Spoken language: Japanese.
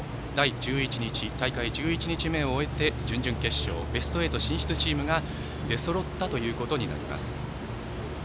大会１１日目を終えて準々決勝、ベスト８進出チームが出そろったということになります。